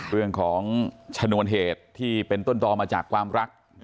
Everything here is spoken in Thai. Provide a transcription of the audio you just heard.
เรื่องของชนวนเหตุที่เป็นต้นต่อมาจากความรัก